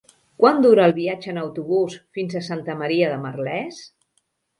Quant dura el viatge en autobús fins a Santa Maria de Merlès?